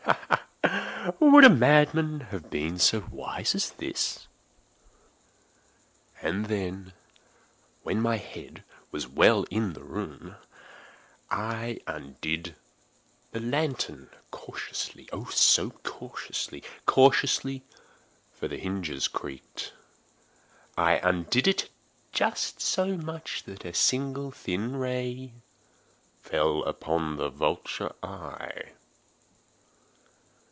Ha!—would a madman have been so wise as this? And then, when my head was well in the room, I undid the lantern cautiously—oh, so cautiously—cautiously (for the hinges creaked)—I undid it just so much that a single thin ray fell upon the vulture eye.